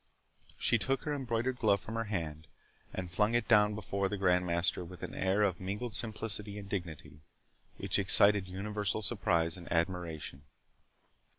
She took her embroidered glove from her hand, and flung it down before the Grand Master with an air of mingled simplicity and dignity, which excited universal surprise and admiration.